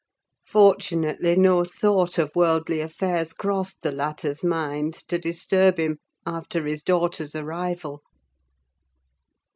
Fortunately, no thought of worldly affairs crossed the latter's mind, to disturb him, after his daughter's arrival.